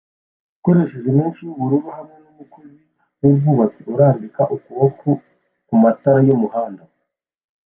ukoresheje meshi yubururu hamwe numukozi wubwubatsi urambika ukuboko kumatara yumuhanda.